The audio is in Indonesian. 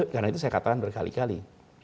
karena itu saya katakan berkali kali